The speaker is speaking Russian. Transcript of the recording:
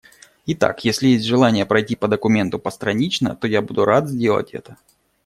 Итак, если есть желание пройти по документу постранично, то я буду рад сделать это.